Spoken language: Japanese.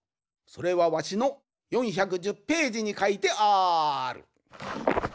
それはわしの４１０ページにかいてある。